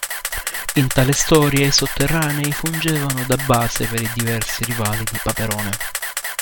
In tale storia i sotterranei fungevano da base per i diversi rivali di Paperone.